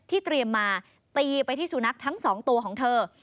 เตรียมมาตีไปที่สุนัขทั้งสองตัวของเธอ